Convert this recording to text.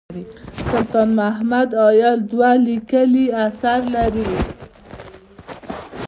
سلطان محمد عايل دوه لیکلي اثار لري.